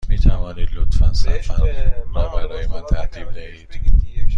می توانید لطفاً سفر را برای من ترتیب دهید؟